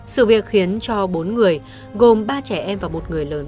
sự việc khiến cho bốn người gồm ba trẻ em và một người lớn